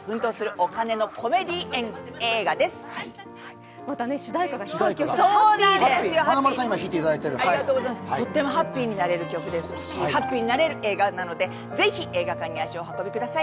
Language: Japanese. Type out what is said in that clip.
主題歌が「ハッピー」で、とってもハッピーになれる曲ですし、ハッピーになれる映画なのでぜひ映画館に足をお運びください。